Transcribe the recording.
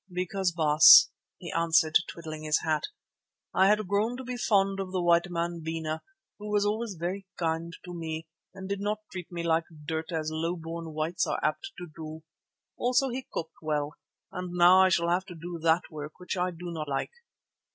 "Because, Baas," he answered, twiddling his hat, "I had grown to be fond of the white man, Bena, who was always very kind to me and did not treat me like dirt as low born whites are apt to do. Also he cooked well, and now I shall have to do that work which I do not like."